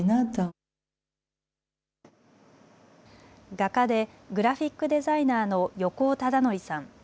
画家でグラフィックデザイナーの横尾忠則さん。